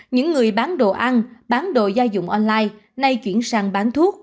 những người bán đồ ăn bán đồ gia dụng online nay chuyển sang bán thuốc